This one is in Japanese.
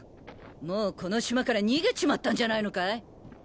もうこの島から逃げちまったんじゃないのかい！？